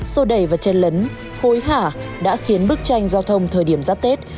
sô đầy và chân lấn hối hả đã khiến bức tranh giao thông thời điểm giáp tết